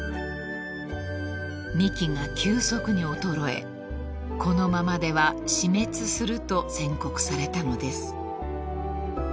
［幹が急速に衰えこのままでは死滅すると宣告されたのです］